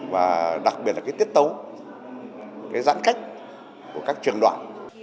và đặc biệt là cái tiết tấu cái giãn cách của các trường đoạn